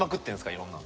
いろんなの。